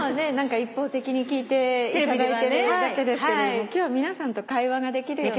一方的に聞いていただいてるだけですけども今日は皆さんと会話ができるように。